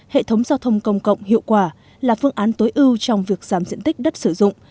hệ thống giao thông công cộng hiệu quả là phương án tối ưu trong việc giảm diện tích đất sử dụng